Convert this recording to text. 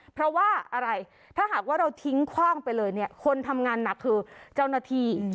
เพราะว่าอะไรถ้าหากว่าเราทิ้งคว่างไปเลยเนี่ยคนทำงานหนักคือเจ้าหน้าที่